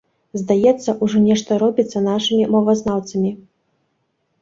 Здаецца, ужо нешта робіцца нашымі мовазнаўцамі.